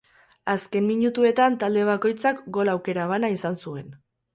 Azken minutuetan talde bakoitzak gol aukera bana izan zuen.